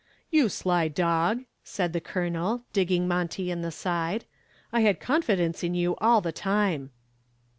"You sly dog," said the Colonel, digging Monty in the side. "I had confidence in you all the time."